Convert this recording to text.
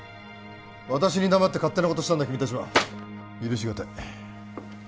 私に黙って勝手なことしたんだ君達は許し難い